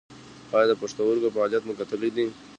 ایا د پښتورګو فعالیت مو کتلی دی؟